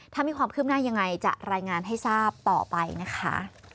ถ้ามีความคืบหน้ายังไงจะรายงานให้ทราบต่อไปนะคะ